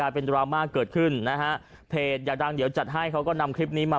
เป็นดราม่าเกิดขึ้นนะฮะเพจอยากดังเดี๋ยวจัดให้เขาก็นำคลิปนี้มา